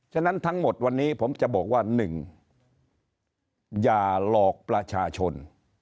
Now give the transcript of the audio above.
ฉะนั้นทั้งหมดวันนี้ผมจะบอกว่า๑อย่าหลอกประชาชน